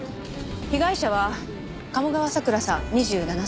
被害者は鴨川咲良さん２７歳。